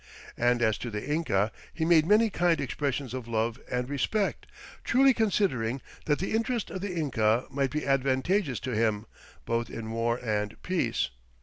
And as to the Inca, he made many kind expressions of love and respect, truly considering that the Interest of the Inca might be advantageous to him, both in War and Peace.